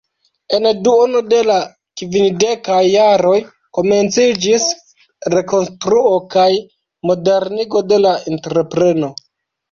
En duono de la kvindekaj jaroj komenciĝis rekonstruo kaj modernigo de la entrepreno.